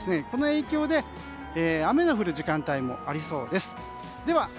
この影響で雨が降る時間帯もありそうです。